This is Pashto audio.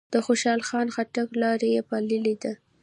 د خوشحال خان خټک لار یې پاللې ده.